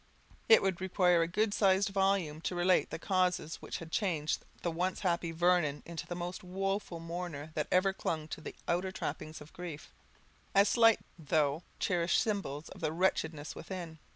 It would require a good sized volume to relate the causes which had changed the once happy Vernon into the most woeful mourner that ever clung to the outer trappings of grief, as slight though cherished symbols of the wretchedness within.